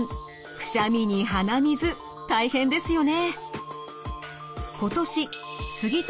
くしゃみに鼻水大変ですよね。